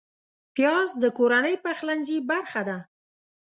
پیاز د کورنۍ پخلنځي برخه ده